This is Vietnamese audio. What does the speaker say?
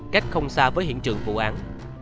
cách không xa với hiện trường vụ an